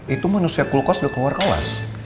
itu manusia kulkos udah keluar kawas